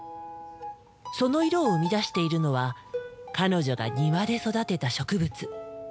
その色を生み出しているのは彼女が庭で育てた植物。